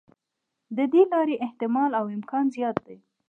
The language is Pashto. د دې لارې احتمال او امکان زیات دی.